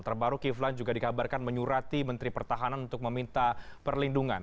terbaru kiflan juga dikabarkan menyurati menteri pertahanan untuk meminta perlindungan